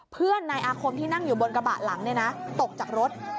เพื่อนนายอาคมที่นั่งอยู่บนกระบะหลังเนี่ยนะตกจากรถ